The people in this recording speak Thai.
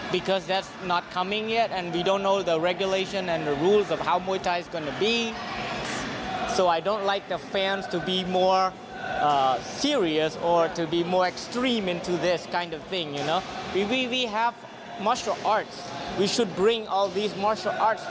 เราต้องพาทุกธุรกิจภาพให้เป็นธุรกิจภาพทั้งหมด